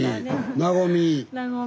「和み」。